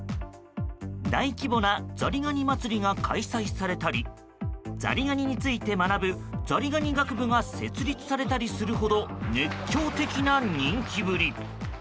大規模なザリガニ祭りが開催されたりザリガニについて学ぶザリガニ学部が設立されたりするほど熱狂的な人気ぶり。